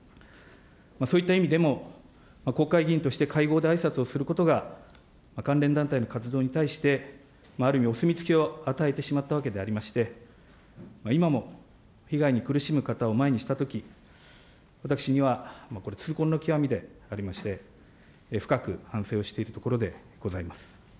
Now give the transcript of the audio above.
そういった意味でも、国会議員として会合であいさつをすることが、関連団体の活動に対して、ある意味お墨付きを与えてしまったわけでありまして、今も被害に苦しむ方を前にしたとき、私にはこれ、痛恨の極みでありまして、深く反省をしているところでございます。